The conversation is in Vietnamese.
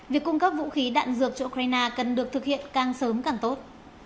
việc cung cấp vũ khí đạn dược cho ukraine cần được thực hiện càng sớm càng tốt